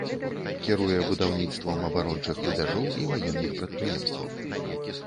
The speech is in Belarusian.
Кіруе будаўніцтвам абарончых рубяжоў і ваенных прадпрыемстваў.